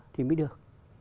thì mới được